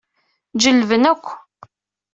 Ǧellben akk.